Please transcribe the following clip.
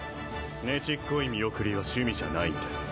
ねちっこい見送りは趣味じゃないんです